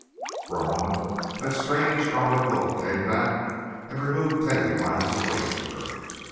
For a moment that strange, grown up look came back, and removed Teddy miles away from her.